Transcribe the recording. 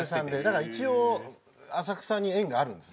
だから一応浅草に縁があるんです